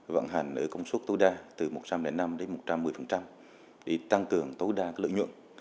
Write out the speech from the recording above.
vận hành ở công suất tối đa từ một trăm linh năm đến một trăm một mươi để tăng cường tối đa lợi nhuận